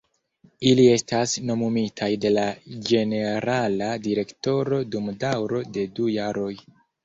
Ili estas nomumitaj de la ĝenerala direktoro dum daŭro de du jaroj.